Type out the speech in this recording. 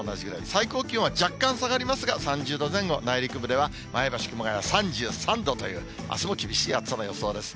最高気温は若干下がりますが、３０度前後、内陸部では、前橋、熊谷３３度という、あすも厳しい暑さの予想です。